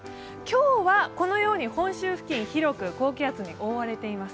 今日はこのように本州付近、広く高気圧に覆われています。